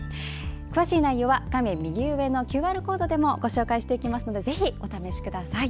詳しい内容は画面右上のＱＲコードでもご紹介していますのでぜひお試しください。